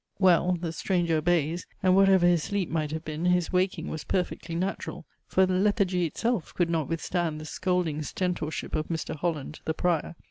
Well; the stranger obeys, and whatever his sleep might have been, his waking was perfectly natural; for lethargy itself could not withstand the scolding Stentorship of Mr. Holland, the Prior.